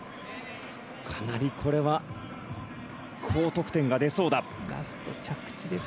かなり高得点が出そうだ。